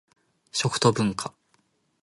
食と文化